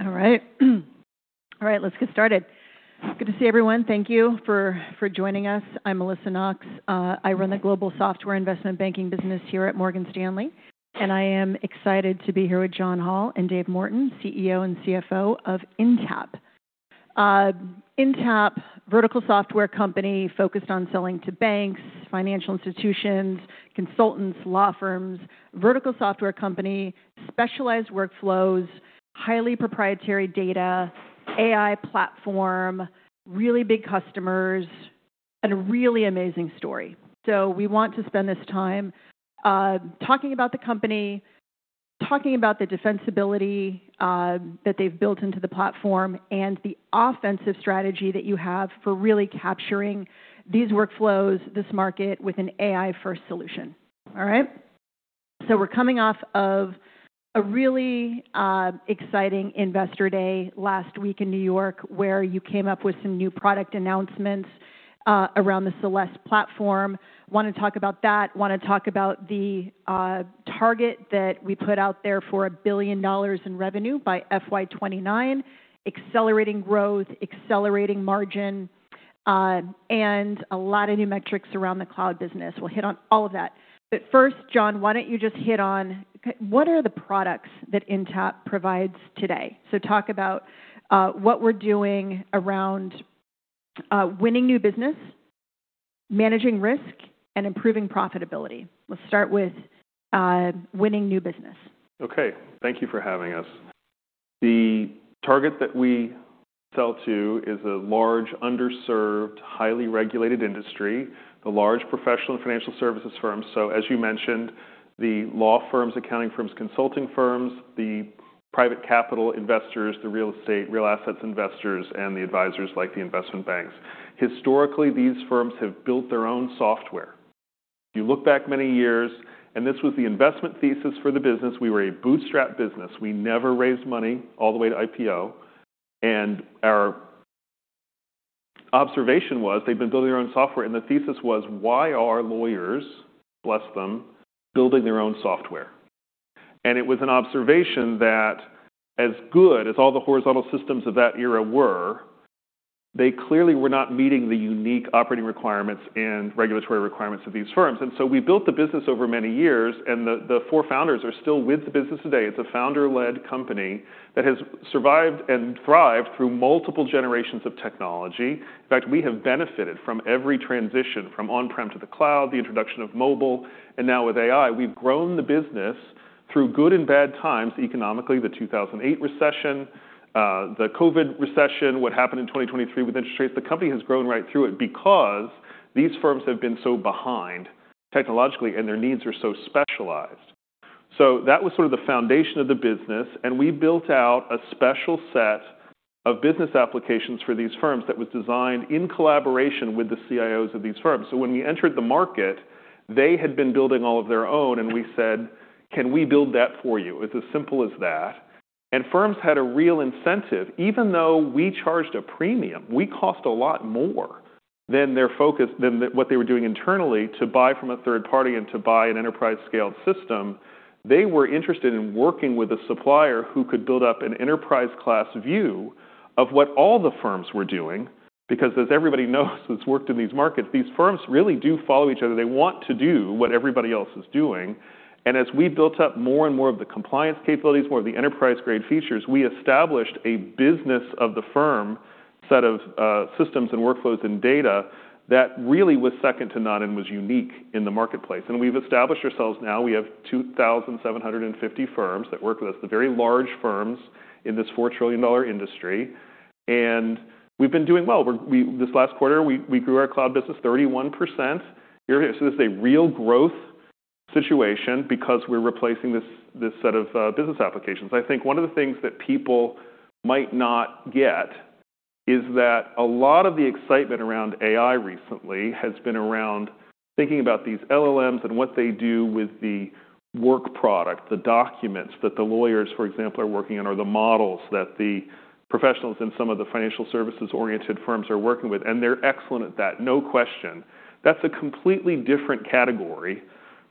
All right. All right, let's get started. Good to see everyone. Thank you for joining us. I'm Melissa Knox. I run the global software investment banking business here at Morgan Stanley. I am excited to be here with John Hall and Dave Morton, CEO and CFO of Intapp. Intapp, vertical software company focused on selling to banks, financial institutions, consultants, law firms, vertical software company, specialized workflows, highly proprietary data, AI platform, really big customers, and a really amazing story. We want to spend this time talking about the company, talking about the defensibility that they've built into the platform and the offensive strategy that you have for really capturing these workflows, this market, with an AI-first solution. All right? We're coming off of a really exciting investor day last week in New York, where you came up with some new product announcements around the Intapp Celeste platform. Wanna talk about that. Wanna talk about the target that we put out there for $1 billion in revenue by FY 2029, accelerating growth, accelerating margin, and a lot of new metrics around the cloud business. We'll hit on all of that. First, John, why don't you just hit on, what are the products that Intapp provides today? Talk about what we're doing around winning new business, managing risk, and improving profitability. Let's start with winning new business. Thank you for having us. The target that we sell to is a large, underserved, highly regulated industry, the large professional and financial services firms. As you mentioned, the law firms, accounting firms, consulting firms, the private capital investors, the real estate, real assets investors, and the advisors, like the investment banks. Historically, these firms have built their own software. You look back many years, and this was the investment thesis for the business. We were a bootstrap business. We never raised money all the way to IPO. Our observation was they've been building their own software, and the thesis was, why are lawyers, bless them, building their own software? It was an observation that as good as all the horizontal systems of that era were, they clearly were not meeting the unique operating requirements and regulatory requirements of these firms. We built the business over many years, and the four founders are still with the business today. It's a founder-led company that has survived and thrived through multiple generations of technology. In fact, we have benefited from every transition, from on-prem to the cloud, the introduction of mobile, and now with AI. We've grown the business through good and bad times economically, the 2008 recession, the COVID recession, what happened in 2023 with interest rates. The company has grown right through it because these firms have been so behind technologically, and their needs are so specialized. That was sort of the foundation of the business, and we built out a special set of business applications for these firms that was designed in collaboration with the CIOs of these firms. When we entered the market, they had been building all of their own, and we said, "Can we build that for you?" It's as simple as that. Firms had a real incentive. Even though we charged a premium, we cost a lot more than what they were doing internally to buy from a third party and to buy an enterprise-scaled system. They were interested in working with a supplier who could build up an enterprise class view of what all the firms were doing. As everybody knows that's worked in these markets, these firms really do follow each other. They want to do what everybody else is doing. As we built up more and more of the compliance capabilities, more of the enterprise-grade features, we established a business-of-the-firm set of systems and workflows and data that really was second to none and was unique in the marketplace. We've established ourselves now. We have 2,750 firms that work with us, the very large firms in this $4 trillion industry. We've been doing well. This last quarter, we grew our cloud business 31%. This is a real growth situation because we're replacing this set of business applications. I think one of the things that people might not get is that a lot of the excitement around AI recently has been around thinking about these LLMs and what they do with the work product. The documents that the lawyers, for example, are working on or the models that the professionals in some of the financial services-oriented firms are working with. They're excellent at that, no question. That's a completely different category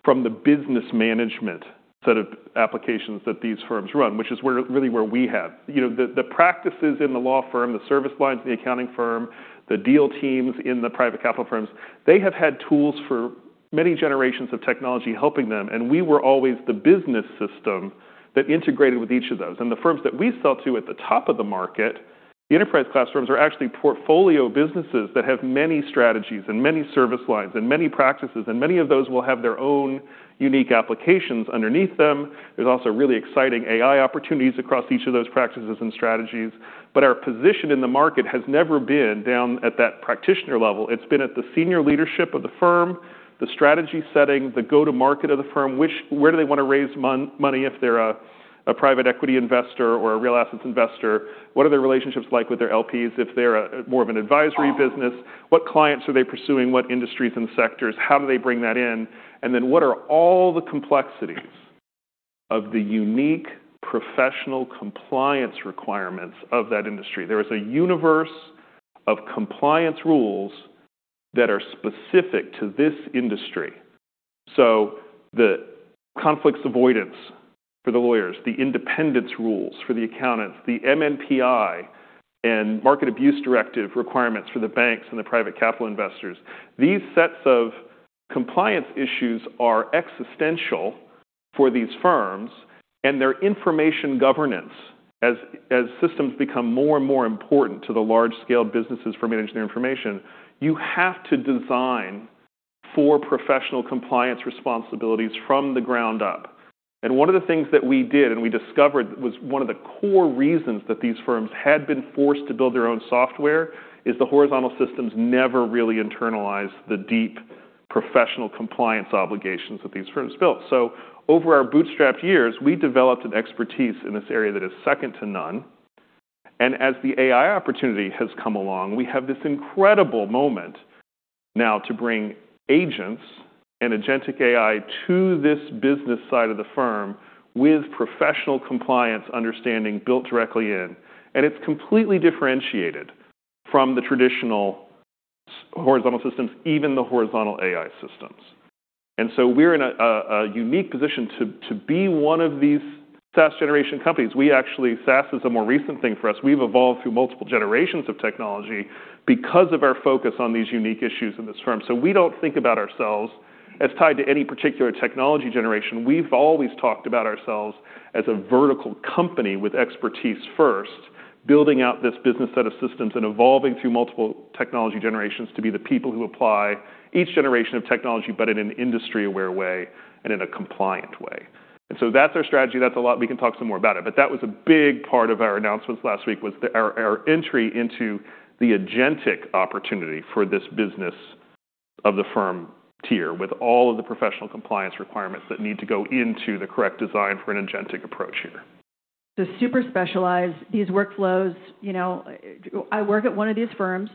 from the business management set of applications that these firms run, which is where, really where we have. You know, the practices in the law firm, the service lines in the accounting firm, the deal teams in the private capital firms, they have had tools for many generations of technology helping them. We were always the business system that integrated with each of those. The firms that we sell to at the top of the market, the enterprise classrooms, are actually portfolio businesses that have many strategies and many service lines and many practices, and many of those will have their own unique applications underneath them. There's also really exciting AI opportunities across each of those practices and strategies. Our position in the market has never been down at that practitioner level. It's been at the senior leadership of the firm, the strategy setting, the go-to-market of the firm. Where do they wanna raise money if they're a private equity investor or a real assets investor? What are their relationships like with their LPs if they're more of an advisory business? What clients are they pursuing? What industries and sectors? How do they bring that in? What are all the complexities of the unique professional compliance requirements of that industry. There is a universe of compliance rules that are specific to this industry. The conflicts avoidance for the lawyers, the independence rules for the accountants, the MNPI and Market Abuse Regulation requirements for the banks and the private capital investors, these sets of compliance issues are existential for these firms and their information governance. As systems become more and more important to the large-scale businesses for managing their information, you have to design for professional compliance responsibilities from the ground up. One of the things that we did and we discovered was one of the core reasons that these firms had been forced to build their own software is the horizontal systems never really internalized the deep professional compliance obligations that these firms built. Over our bootstrap years, we developed an expertise in this area that is second to none. As the AI opportunity has come along, we have this incredible moment now to bring agents and agentic AI to this business side of the firm with professional compliance understanding built directly in. It's completely differentiated from the traditional horizontal systems, even the horizontal AI systems. We're in a unique position to be one of these SaaS generation companies. SaaS is a more recent thing for us. We've evolved through multiple generations of technology because of our focus on these unique issues in this firm. We don't think about ourselves as tied to any particular technology generation. We've always talked about ourselves as a vertical company with expertise first, building out this business set of systems and evolving through multiple technology generations to be the people who apply each generation of technology, but in an industry-aware way and in a compliant way. That's our strategy. That's a lot. We can talk some more about it, but that was a big part of our announcements last week was our entry into the agentic opportunity for this business of the firm tier with all of the professional compliance requirements that need to go into the correct design for an agentic approach here. To super specialize these workflows, you know, I work at one of these firms.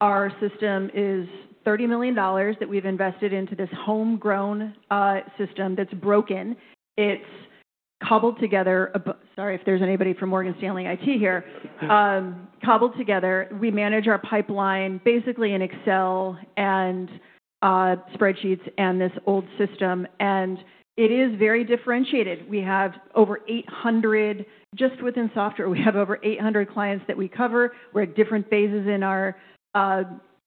Our system is $30 million that we've invested into this homegrown system that's broken. It's cobbled together. Sorry if there's anybody from Morgan Stanley IT here. Cobbled together. We manage our pipeline basically in Excel, spreadsheets and this old system. It is very differentiated. We have over 800 clients that we cover. We're at different phases in our,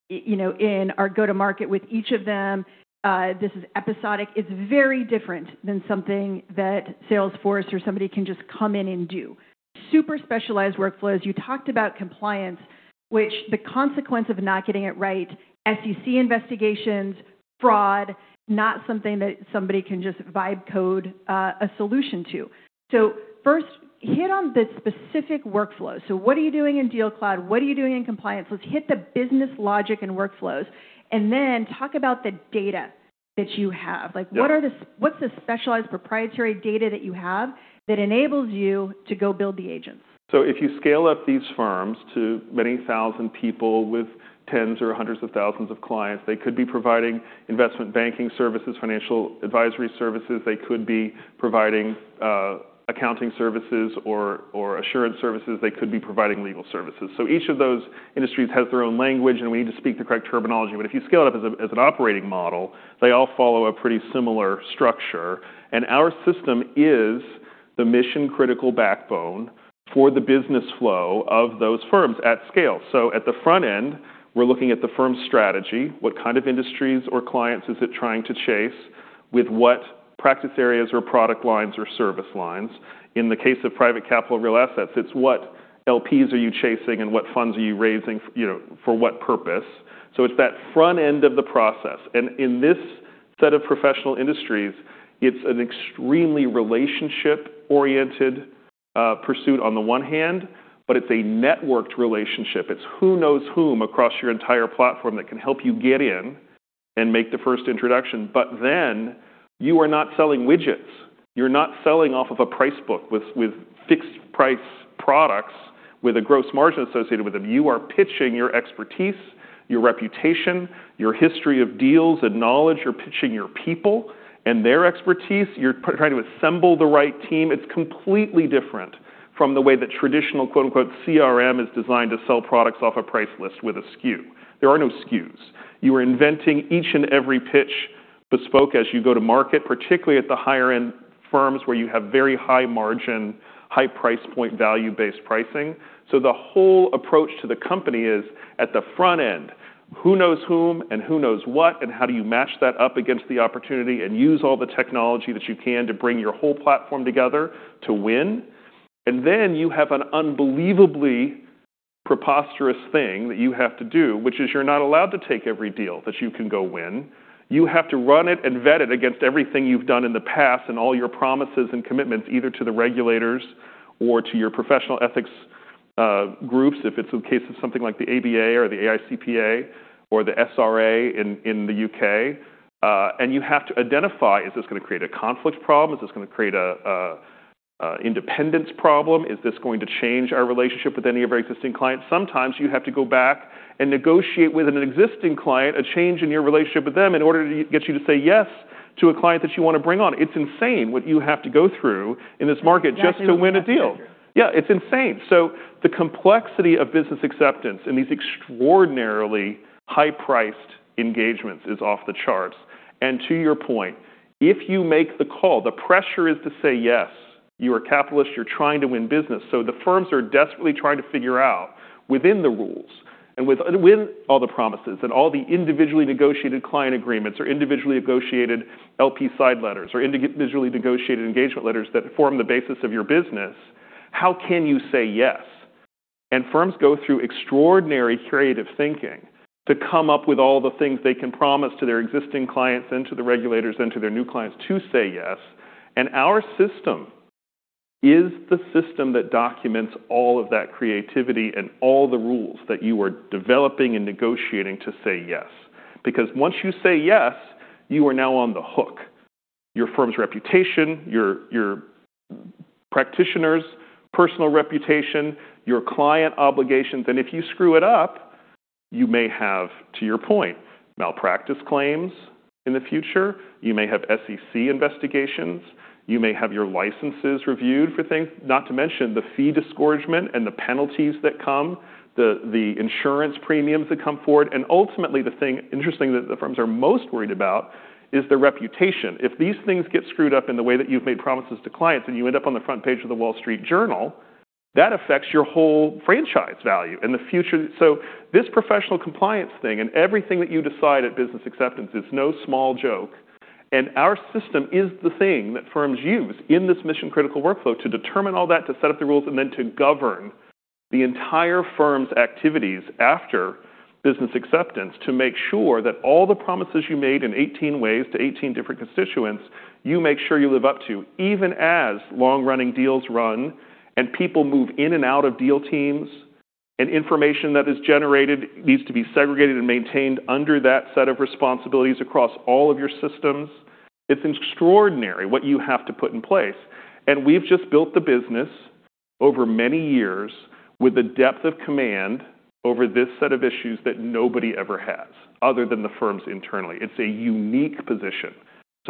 you know, in our go-to-market with each of them. This is episodic. It's very different than something that Salesforce or somebody can just come in and do. Super specialized workflows. You talked about compliance, which the consequence of not getting it right, SEC investigations, fraud, not something that somebody can just vibe code a solution to. First, hit on the specific workflows. What are you doing in DealCloud? What are you doing in compliance? Let's hit the business logic and workflows, and then talk about the data that you have. Like, what's the specialized proprietary data that you have that enables you to go build the agents? If you scale up these firms to many thousand people with tens or hundreds of thousands of clients, they could be providing investment banking services, financial advisory services. They could be providing accounting services or assurance services. They could be providing legal services. Each of those industries has their own language, and we need to speak the correct terminology. If you scale it up as an operating model, they all follow a pretty similar structure. Our system is the mission-critical backbone for the business flow of those firms at scale. At the front end, we're looking at the firm's strategy. What kind of industries or clients is it trying to chase with what practice areas or product lines or service lines? In the case of private capital real assets, it's what LPs are you chasing and what funds are you raising, you know, for what purpose? It's that front end of the process. In this set of professional industries, it's an extremely relationship-oriented pursuit on the one hand, but it's a networked relationship. It's who knows whom across your entire platform that can help you get in and make the first introduction. You are not selling widgets. You're not selling off of a price book with fixed price products with a gross margin associated with them. You are pitching your expertise, your reputation, your history of deals and knowledge. You're pitching your people and their expertise. You're trying to assemble the right team. It's completely different from the way that traditional, quote-unquote, "CRM" is designed to sell products off a price list with a SKU. There are no SKUs. You are inventing each and every pitch bespoke as you go to market, particularly at the higher-end firms where you have very high margin, high price point value-based pricing. The whole approach to the company is at the front end, who knows whom and who knows what, and how do you match that up against the opportunity and use all the technology that you can to bring your whole platform together to win? Then you have an unbelievably preposterous thing that you have to do, which is you're not allowed to take every deal that you can go win. You have to run it and vet it against everything you've done in the past and all your promises and commitments, either to the regulators or to your professional ethics groups, if it's a case of something like the ABA or the AICPA or the SRA in the U.K. You have to identify, is this going to create a conflict problem? Is this going to create an independence problem? Is this going to change our relationship with any of our existing clients? Sometimes you have to go back and negotiate with an existing client a change in your relationship with them in order to get you to say yes to a client that you want to bring on. It's insane what you have to go through in this market just to win a deal. Yeah, it's insane. The complexity of business acceptance in these extraordinarily high-priced engagements is off the charts. To your point, if you make the call, the pressure is to say yes. You are capitalists, you're trying to win business. The firms are desperately trying to figure out within the rules and within all the promises and all the individually negotiated client agreements or individually negotiated LP side letters or individually negotiated engagement letters that form the basis of your business, how can you say yes? Firms go through extraordinary creative thinking to come up with all the things they can promise to their existing clients and to the regulators and to their new clients to say yes. Our system is the system that documents all of that creativity and all the rules that you are developing and negotiating to say yes. Once you say yes, you are now on the hook. Your firm's reputation, your practitioner's personal reputation, your client obligations, and if you screw it up, you may have, to your point, malpractice claims in the future. You may have SEC investigations. You may have your licenses reviewed for things. Not to mention the fee disgorgement and the penalties that come, the insurance premiums that come forward. Ultimately, the thing interesting that the firms are most worried about is their reputation. If these things get screwed up in the way that you've made promises to clients, and you end up on the front page of The Wall Street Journal, that affects your whole franchise value and the future. This professional compliance thing and everything that you decide at business acceptance is no small joke. Our system is the thing that firms use in this mission-critical workflow to determine all that, to set up the rules, and then to govern the entire firm's activities after business acceptance to make sure that all the promises you made in 18 ways to 18 different constituents, you make sure you live up to, even as long-running deals run and people move in and out of deal teams and information that is generated needs to be segregated and maintained under that set of responsibilities across all of your systems. It's extraordinary what you have to put in place. We've just built the business over many years with a depth of command over this set of issues that nobody ever has other than the firms internally. It's a unique position.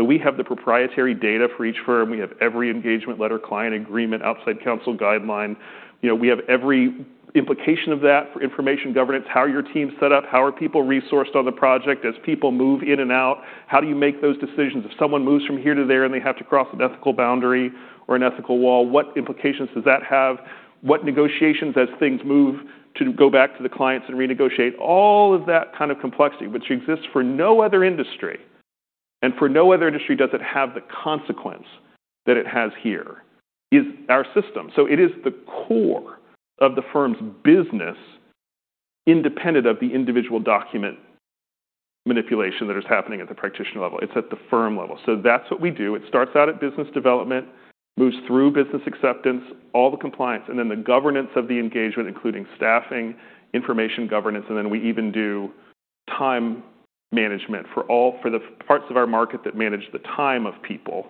We have the proprietary data for each firm. We have every engagement letter, client agreement, Outside Counsel Guidelines. You know, we have every implication of that for information governance, how your team's set up, how are people resourced on the project as people move in and out. How do you make those decisions? If someone moves from here to there and they have to cross an ethical boundary or an ethical wall, what implications does that have? What negotiations as things move to go back to the clients and renegotiate? All of that kind of complexity, which exists for no other industry and for no other industry does it have the consequence that it has here, is our system. It is the core of the firm's business, independent of the individual document manipulation that is happening at the practitioner level. It's at the firm level. That's what we do. It starts out at business development, moves through business acceptance, all the compliance, and then the governance of the engagement, including staffing, information governance, and then we even do time management for all, for the parts of our market that manage the time of people.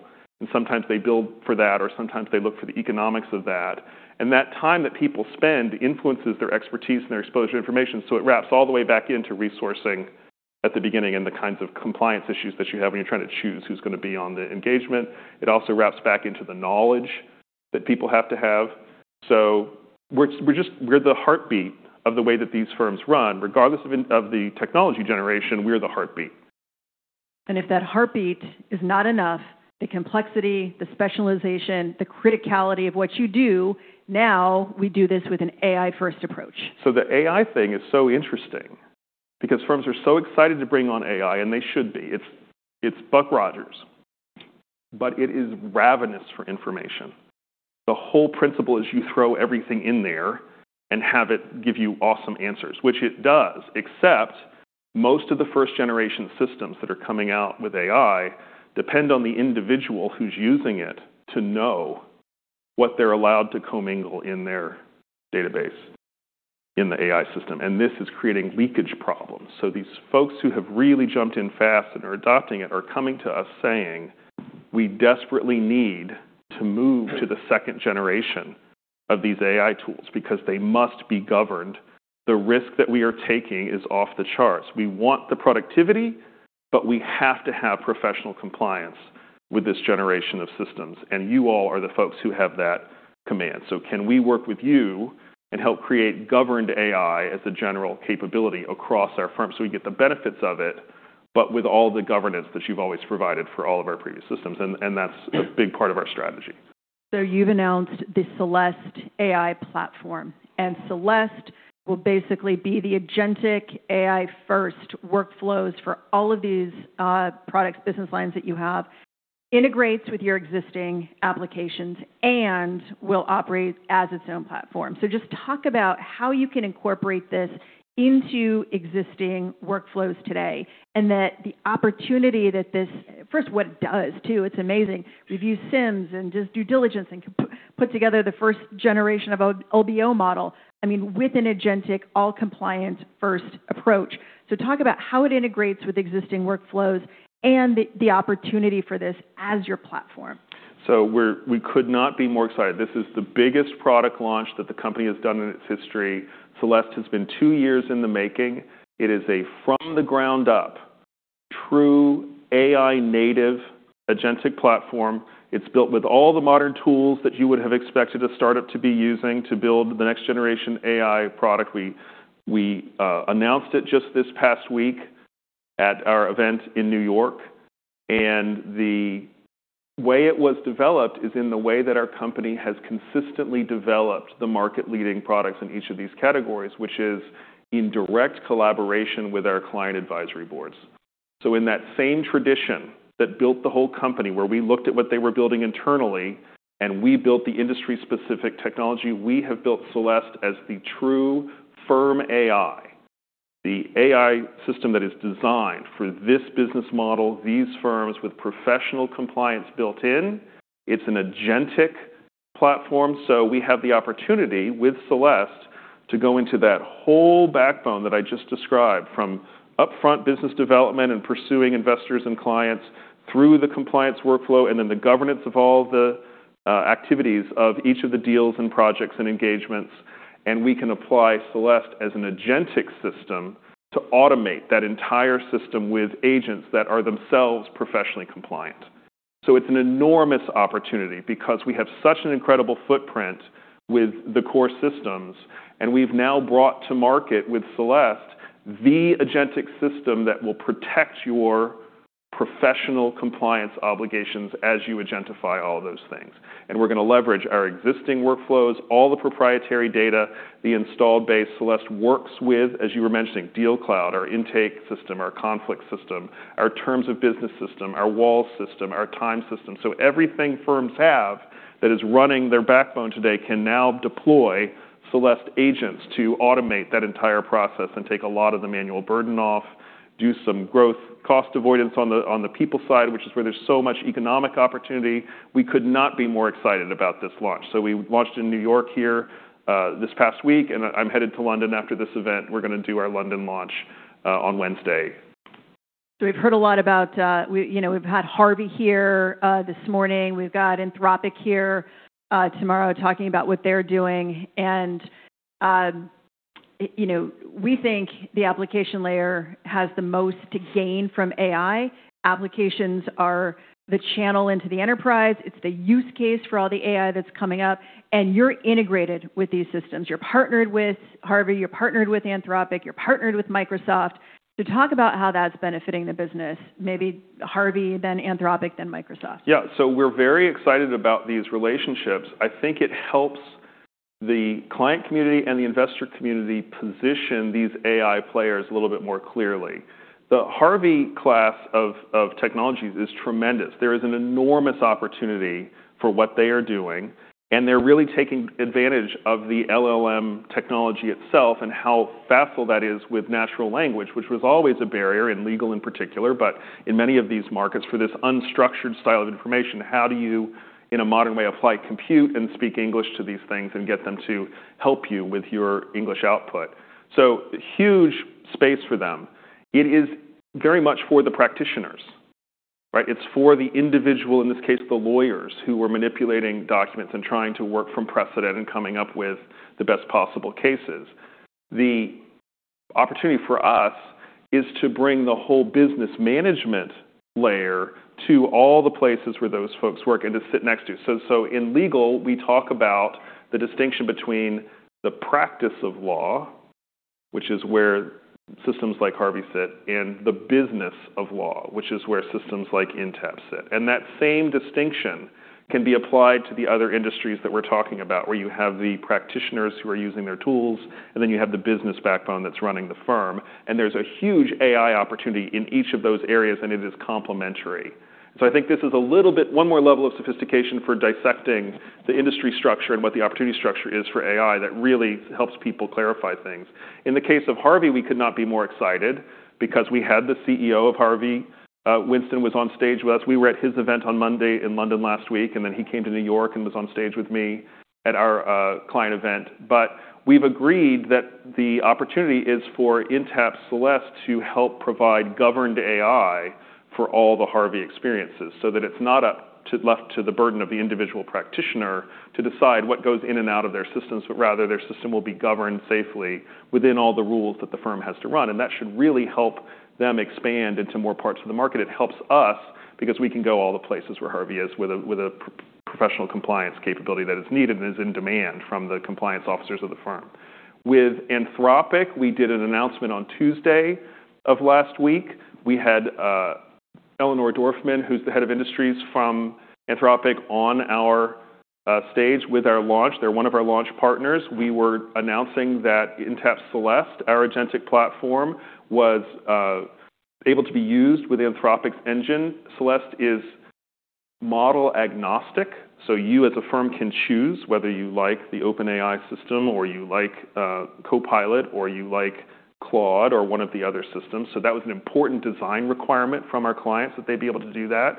Sometimes they build for that, or sometimes they look for the economics of that. That time that people spend influences their expertise and their exposure to information. It wraps all the way back into resourcing at the beginning and the kinds of compliance issues that you have when you're trying to choose who's going to be on the engagement. It also wraps back into the knowledge that people have to have. We're, we're just, we're the heartbeat of the way that these firms run. Regardless of the technology generation, we're the heartbeat. If that heartbeat is not enough, the complexity, the specialization, the criticality of what you do, now we do this with an AI-first approach. The AI thing is so interesting because firms are so excited to bring on AI, and they should be. It's Buck Rogers. It is ravenous for information. The whole principle is you throw everything in there and have it give you awesome answers, which it does, except most of the first-generation systems that are coming out with AI depend on the individual who's using it to know what they're allowed to commingle in their database, in the AI system. This is creating leakage problems. These folks who have really jumped in fast and are adopting it are coming to us saying, "We desperately need to move to the second generation of these AI tools because they must be governed. The risk that we are taking is off the charts. We want the productivity, but we have to have professional compliance with this generation of systems. You all are the folks who have that command. Can we work with you and help create governed AI as a general capability across our firm so we get the benefits of it, but with all the governance that you've always provided for all of our previous systems?" That's a big part of our strategy. You've announced the Intapp Celeste AI platform, and Intapp Celeste will basically be the agentic AI-first workflows for all of these products, business lines that you have, integrates with your existing applications and will operate as its own platform. Just talk about how you can incorporate this into existing workflows today and that the opportunity that this. First, what it does too, it's amazing. Review CIMs and just due diligence and put together the first generation of LBO model, I mean, with an agentic, all compliance-first approach. Talk about how it integrates with existing workflows and the opportunity for this as your platform. We could not be more excited. This is the biggest product launch that the company has done in its history. Intapp Celeste has been two years in the making. It is a from the ground up true AI native agentic platform. It's built with all the modern tools that you would have expected a startup to be using to build the next generation AI product. We announced it just this past week at our event in New York. The way it was developed is in the way that our company has consistently developed the market-leading products in each of these categories, which is in direct collaboration with our client advisory boards. In that same tradition that built the whole company, where we looked at what they were building internally and we built the industry specific technology, we have built Celeste as the true firm AI, the AI system that is designed for this business model, these firms with professional compliance built in. It's an agentic platform, so we have the opportunity with Celeste to go into that whole backbone that I just described from upfront business development and pursuing investors and clients through the compliance workflow and then the governance of all the activities of each of the deals and projects and engagements. We can apply Celeste as an agentic system to automate that entire system with agents that are themselves professionally compliant. It's an enormous opportunity because we have such an incredible footprint with the core systems, and we've now brought to market with Celeste the agentic system that will protect your professional compliance obligations as you agentify all those things. We're gonna leverage our existing workflows, all the proprietary data, the installed base. Celeste works with, as you were mentioning, DealCloud, our intake system, our conflict system, our terms of business system, our wall system, our time system. Everything firms have that is running their backbone today can now deploy Celeste agents to automate that entire process and take a lot of the manual burden off, do some growth cost avoidance on the people side, which is where there's so much economic opportunity. We could not be more excited about this launch. We launched in New York here, this past week, and I'm headed to London after this event. We're gonna do our London launch on Wednesday. We've heard a lot about, we, you know, we've had Harvey here this morning. We've got Anthropic here tomorrow talking about what they're doing. You know, we think the application layer has the most to gain from AI. Applications are the channel into the enterprise. It's the use case for all the AI that's coming up. You're integrated with these systems. You're partnered with Harvey, you're partnered with Anthropic, you're partnered with Microsoft. Talk about how that's benefiting the business, maybe Harvey, then Anthropic, then Microsoft. We're very excited about these relationships. I think it helps the client community and the investor community position these AI players a little bit more clearly. The Harvey class of technologies is tremendous. There is an enormous opportunity for what they are doing, and they're really taking advantage of the LLM technology itself and how facile that is with natural language, which was always a barrier in legal in particular. In many of these markets, for this unstructured style of information, how do you, in a modern way, apply compute and speak English to these things and get them to help you with your English output? Huge space for them. It is very much for the practitioners, right? It's for the individual, in this case, the lawyers who are manipulating documents and trying to work from precedent and coming up with the best possible cases. The opportunity for us is to bring the whole business management layer to all the places where those folks work and to sit next to. In legal, we talk about the distinction between the practice of law, which is where systems like Harvey sit, and the business of law, which is where systems like Intapp sit. That same distinction can be applied to the other industries that we're talking about, where you have the practitioners who are using their tools, and then you have the business backbone that's running the firm. There's a huge AI opportunity in each of those areas, and it is complementary. I think this is a little bit one more level of sophistication for dissecting the industry structure and what the opportunity structure is for AI that really helps people clarify things. In the case of Harvey, we could not be more excited because we had the CEO of Harvey, Winston was on stage with us. We were at his event on Monday in London last week, he came to New York and was on stage with me at our client event. We've agreed that the opportunity is for Intapp Celeste to help provide governed AI for all the Harvey experiences, so that it's not left to the burden of the individual practitioner to decide what goes in and out of their systems, but rather their system will be governed safely within all the rules that the firm has to run. That should really help them expand into more parts of the market. It helps us because we can go all the places where Harvey is with a professional compliance capability that is needed and is in demand from the compliance officers of the firm. With Anthropic, we did an announcement on Tuesday of last week. We had Eleanor Dorfman, who's the Head of Industries from Anthropic, on our stage with our launch. They're one of our launch partners. We were announcing that Intapp Celeste, our agentic platform, was able to be used with Anthropic's engine. Celeste is model-agnostic, you as a firm can choose whether you like the OpenAI system or you like Copilot or you like Claude or one of the other systems. That was an important design requirement from our clients that they'd be able to do that.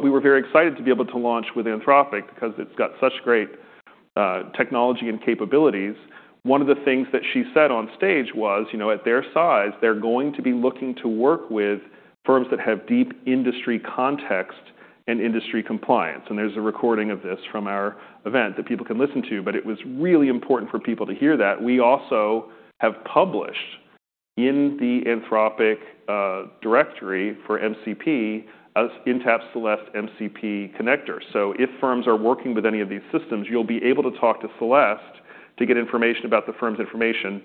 We were very excited to be able to launch with Anthropic because it's got such great technology and capabilities. One of the things that she said on stage was, you know, at their size, they're going to be looking to work with firms that have deep industry context and industry compliance. There's a recording of this from our event that people can listen to, but it was really important for people to hear that. We also have published in the Anthropic directory as Intapp Celeste connector for MCP. If firms are working with any of these systems, you'll be able to talk to Celeste to get information about the firm's information.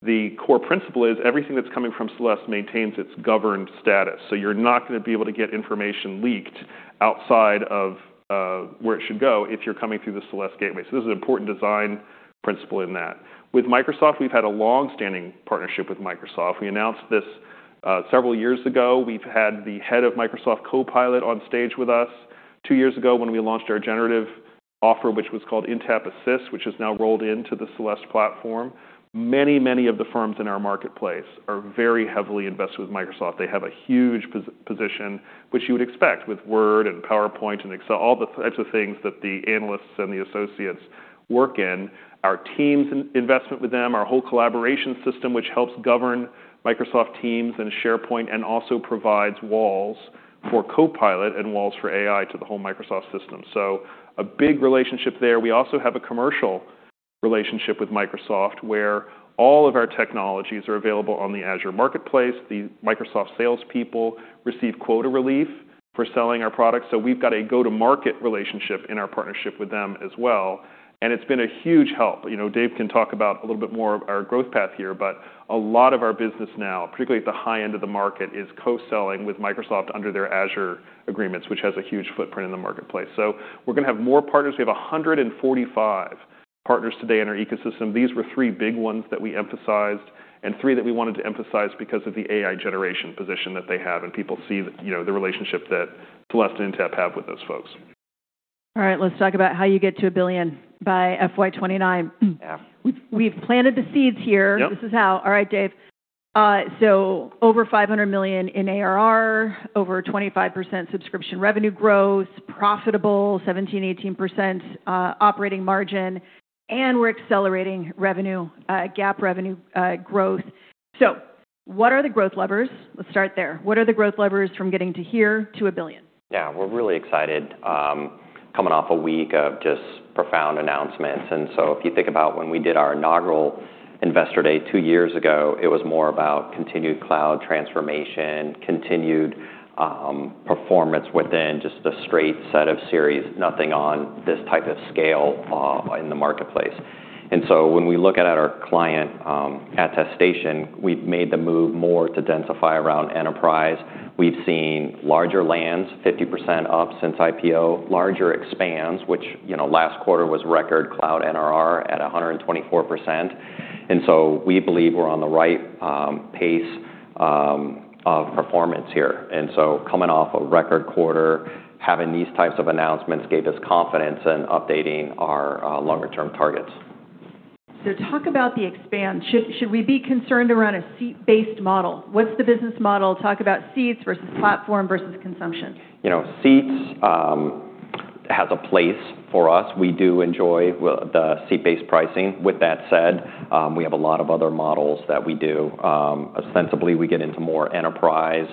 The core principle is everything that's coming from Celeste maintains its governed status. You're not gonna be able to get information leaked outside of where it should go if you're coming through the Celeste gateway. This is an important design principle in that. With Microsoft, we've had a long-standing partnership with Microsoft. We announced this several years ago. We've had the head of Microsoft Copilot on stage with us two years ago when we launched our generative offer, which was called Intapp Assist, which is now rolled into the Celeste platform. Many of the firms in our marketplace are very heavily invested with Microsoft. They have a huge position, which you would expect with Word and PowerPoint and Excel, all the types of things that the analysts and the associates work in. Our teams investment with them, our whole collaboration system, which helps govern Microsoft Teams and SharePoint, and also provides walls for Copilot and walls for AI to the whole Microsoft system. A big relationship there. We also have a commercial relationship with Microsoft, where all of our technologies are available on the Azure Marketplace. The Microsoft salespeople receive quota relief for selling our products. We've got a go-to-market relationship in our partnership with them as well, and it's been a huge help. You know, Dave can talk about a little bit more of our growth path here, but a lot of our business now, particularly at the high end of the market, is co-selling with Microsoft under their Azure agreements, which has a huge footprint in the marketplace. We're gonna have more partners. We have 145 partners today in our ecosystem. These were three big ones that we emphasized and three that we wanted to emphasize because of the AI generation position that they have, and people see, you know, the relationship that Celeste and Intapp have with those folks. All right, let's talk about how you get to $1 billion by FY 2029. We've planted the seeds here. This is how. All right, Dave. over $500 million in ARR, over 25% subscription revenue growth, profitable 17%-18% operating margin, and we're accelerating revenue, GAAP revenue, growth. What are the growth levers? Let's start there. What are the growth levers from getting to here to $1 billion? Yeah, we're really excited, coming off a week of just profound announcements. If you think about when we did our inaugural Investor Day two years ago, it was more about continued cloud transformation, continued performance within just the straight set of series, nothing on this type of scale in the marketplace. When we look at our client attestation, we've made the move more to densify around enterprise. We've seen larger lands, 50% up since IPO, larger expands, which, you know, last quarter was record cloud NRR at 124%. We believe we're on the right pace of performance here. Coming off a record quarter, having these types of announcements gave us confidence in updating our longer term targets. Talk about the expand. Should we be concerned around a seat-based model? What's the business model? Talk about seats versus platform versus consumption. You know, seats has a place for us. We do enjoy the seat-based pricing. With that said, we have a lot of other models that we do. Ostensibly, we get into more enterprise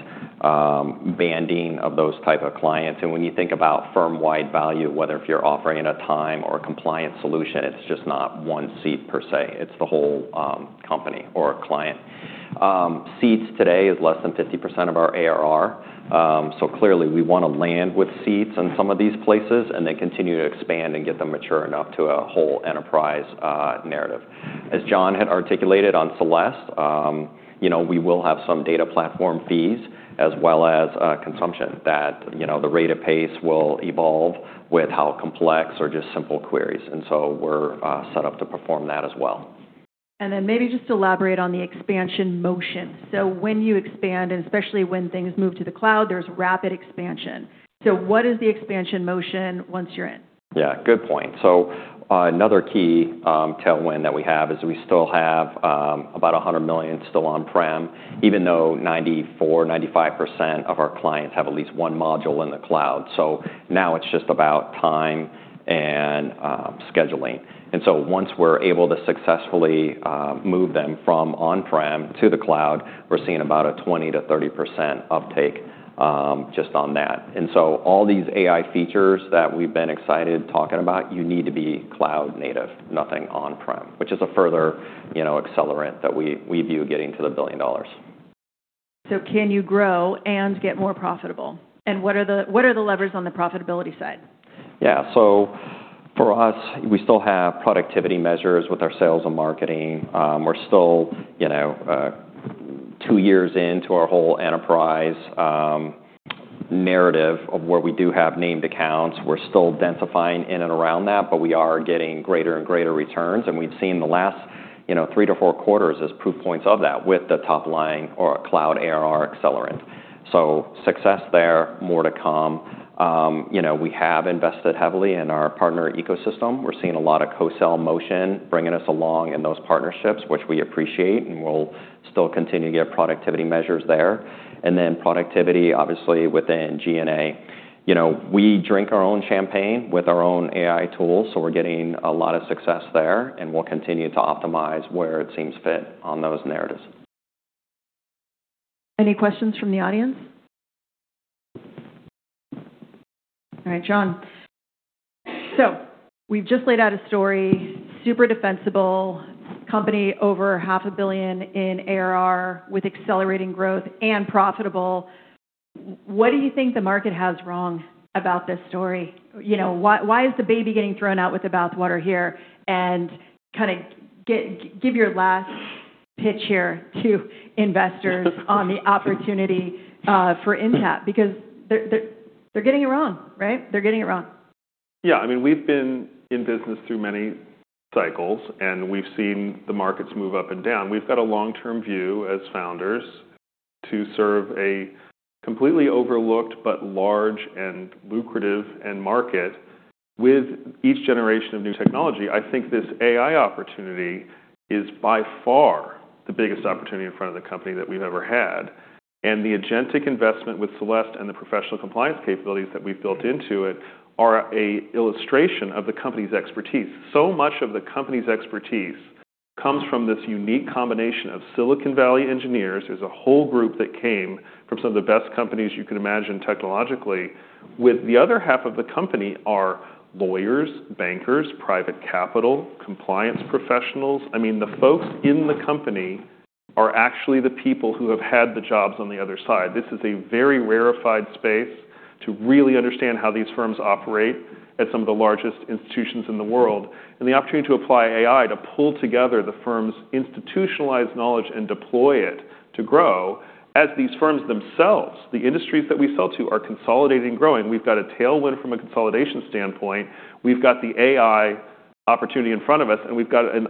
banding of those type of clients. When you think about firm-wide value, whether if you're offering it a time or a compliance solution, it's just not one seat per se, it's the whole company or client. Seats today is less than 50% of our ARR. Clearly we wanna land with seats in some of these places, and they continue to expand and get them mature enough to a whole enterprise narrative. As John had articulated on Celeste, you know, we will have some data platform fees as well as consumption that, you know, the rate of pace will evolve with how complex or just simple queries. We're set up to perform that as well. Then maybe just elaborate on the expansion motion. When you expand, and especially when things move to the cloud, there's rapid expansion. What is the expansion motion once you're in? Yeah, good point. Another key tailwind that we have is we still have about $100 million still on-prem, even though 94%, 95% of our clients have at least one module in the cloud. Now it's just about time and scheduling. Once we're able to successfully move them from on-prem to the cloud, we're seeing about a 20%-30% uptake just on that. All these AI features that we've been excited talking about, you need to be cloud native, nothing on-prem, which is a further, you know, accelerant that we view getting to the $1 billion. Can you grow and get more profitable? What are the levers on the profitability side? Yeah. For us, we still have productivity measures with our sales and marketing. We're still, you know, two years into our whole enterprise, narrative of where we do have named accounts. We're still densifying in and around that, but we are getting greater and greater returns. We've seen the last, you know, three to four quarters as proof points of that with the top line or cloud ARR accelerant. Success there, more to come. You know, we have invested heavily in our partner ecosystem. We're seeing a lot of co-sell motion bringing us along in those partnerships, which we appreciate, and we'll still continue to get productivity measures there. Then productivity, obviously, within G&A. You know, we drink our own champagne with our own AI tools, so we're getting a lot of success there, and we'll continue to optimize where it seems fit on those narratives. Any questions from the audience? All right, John. We've just laid out a story, super defensible, company over half a billion in ARR with accelerating growth and profitable. What do you think the market has wrong about this story? You know, why is the baby getting thrown out with the bath water here? Kinda give your last pitch here to investors on the opportunity for Intapp because they're getting it wrong, right? They're getting it wrong. I mean, we've been in business through many cycles. We've seen the markets move up and down. We've got a long-term view as founders to serve a completely overlooked but large and lucrative end market with each generation of new technology. I think this AI opportunity is by far the biggest opportunity in front of the company that we've ever had. The agentic investment with Celeste and the professional compliance capabilities that we've built into it are an illustration of the company's expertise. Much of the company's expertise comes from this unique combination of Silicon Valley engineers. There's a whole group that came from some of the best companies you could imagine technologically, with the other half of the company are lawyers, bankers, private capital, compliance professionals. I mean, the folks in the company are actually the people who have had the jobs on the other side. This is a very rarefied space to really understand how these firms operate at some of the largest institutions in the world. The opportunity to apply AI to pull together the firm's institutionalized knowledge and deploy it to grow as these firms themselves, the industries that we sell to, are consolidating and growing. We've got a tailwind from a consolidation standpoint. We've got the AI opportunity in front of us. We've got an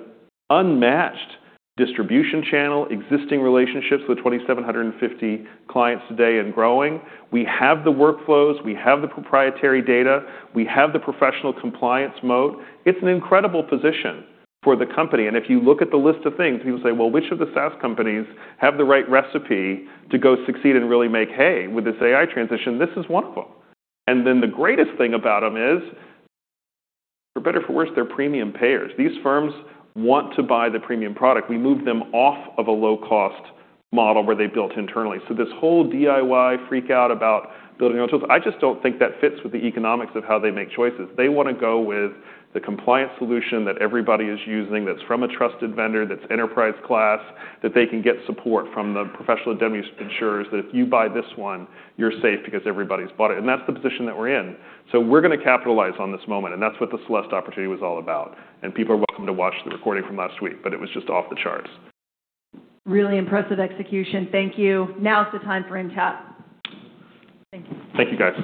unmatched distribution channel, existing relationships with 2,750 clients today and growing. We have the workflows, we have the proprietary data, we have the professional compliance mode. It's an incredible position for the company. If you look at the list of things, people say, "Well, which of the SaaS companies have the right recipe to go succeed and really make hay with this AI transition?" This is one of them. The greatest thing about them is, for better or for worse, they're premium payers. These firms want to buy the premium product. We move them off of a low-cost model where they built internally. This whole DIY freak out about building our tools, I just don't think that fits with the economics of how they make choices. They wanna go with the compliance solution that everybody is using, that's from a trusted vendor, that's enterprise class, that they can get support from the professional indemnity insurers, that if you buy this one, you're safe because everybody's bought it, and that's the position that we're in. We're going to capitalize on this moment, and that's what the Celeste opportunity was all about. People are welcome to watch the recording from last week, but it was just off the charts. Really impressive execution. Thank you. Now's the time for Intapp. Thank you. Thank you, guys.